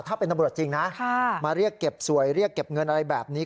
ถ้าเป็นตำรวจจริงนะมาเรียกเก็บสวยเรียกเก็บเงินอะไรแบบนี้